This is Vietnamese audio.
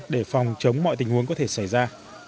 để phòng chống mọi tình huống có thể xảy ra